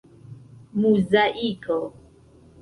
muzaiko